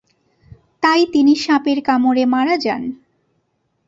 তাই তিনি সাপের কামড়ে মারা যান।